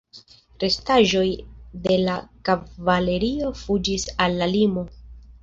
Restaĵoj de la kavalerio fuĝis al la limo.